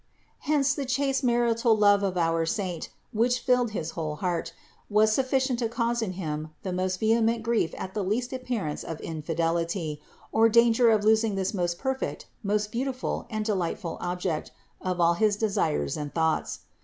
Hence, the chaste marital love of our saint, which filled his whole heart, was sufficient to cause in him the most vehement grief at the least appearance of infidelity, or danger of losing this most perfect, most beautiful and delightful object of all his desires and thoughts.